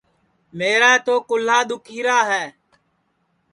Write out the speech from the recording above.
میرا تو کُہلا دُؔکھیرا ہے